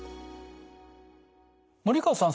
森川さん